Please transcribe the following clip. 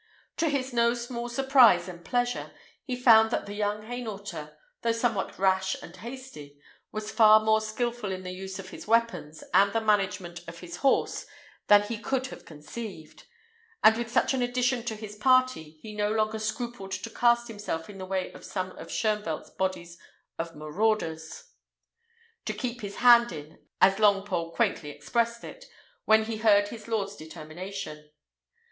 To his no small surprise and pleasure, he found that the young Hainaulter, though somewhat rash and hasty, was far more skilful in the use of his weapons and the management of his horse than he could have conceived; and with such an addition to his party, he no longer scrupled to cast himself in the way of some of Shoenvelt's bodies of marauders, to keep his hand in, as Longpole quaintly expressed it, when he heard his lord's determination.